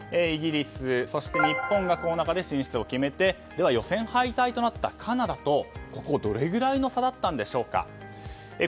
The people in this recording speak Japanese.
イギリス、日本がこの中で進出を決めて予選敗退となったカナダとどれくらいの差だったんでしょうか。